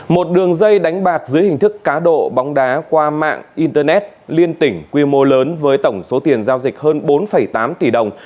một đường dây đánh bạc dưới hình thức cá độ bóng đá qua mạng internet liên tỉnh quy mô lớn với tổng số tiền giao dịch hơn bốn tám tỷ đồng